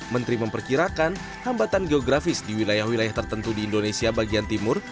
menteri memperkirakan hambatan geografis di wilayah wilayah tertentu di indonesia bagian timur